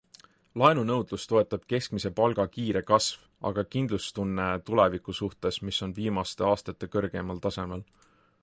Laenunõudlust toetab keskmise palga kiire kasv, aga ka kindlustunne tuleviku suhtes, mis on viimaste aastate kõrgeimal tasemel.